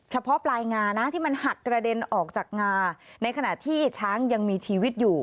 เฉพาะปลายงานะที่มันหักกระเด็นออกจากงาในขณะที่ช้างยังมีชีวิตอยู่